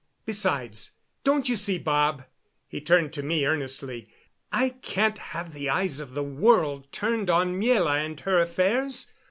"Besides, don't you see, Bob" he turned to me earnestly "I can't have the eyes of the world turned on Miela and her affairs?